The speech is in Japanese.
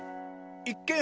いっけん